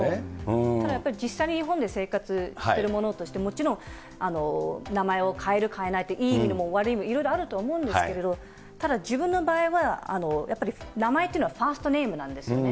ただやっぱり実際に日本で生活している者として、もちろん名前を変える変えないっていい意味も悪い意味もいろいろあると思うんですけれども、ただ、自分の場合は、やっぱり名前っていうのはファーストネームなんですよね。